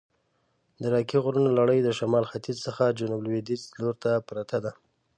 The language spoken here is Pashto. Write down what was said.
د راکي غرونو لړي د شمال ختیځ څخه د جنوب لویدیځ لورته پرته ده.